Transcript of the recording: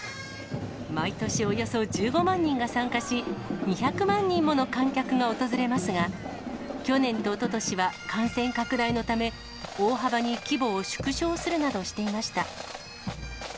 毎年およそ１５万人が参加し、２００万人もの観客が訪れますが、去年とおととしは感染拡大のため、大幅に規模を縮小するなどしていました。